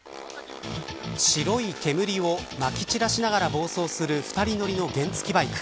白い煙をまき散らしながら暴走する２人乗りの原付バイク。